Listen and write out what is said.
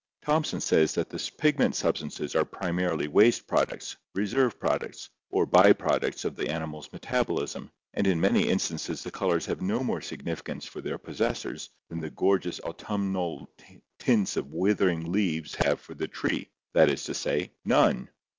Thomson says that "the pigment substances are primarily waste products, reserve products, or by products of the animal's metabolism, and in many instances the colors have no more significance for their possessors than the gorgeous autumnal tints of withering leaves have for the tree — that is to say, none!"